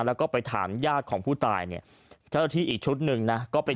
แล้วก็ไปถามญาติของผู้ตายเนี่ยเจ้าหน้าที่อีกชุดหนึ่งนะก็ไป